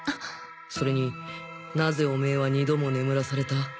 それになぜオメーは２度も眠らされた？